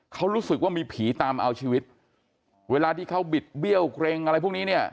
เขารู้สึกว่ามีผีตามเอาชีวิตเวลาที่เขาบิดเบี้ยวเกร็งอะไรพวกนี้เนี่ย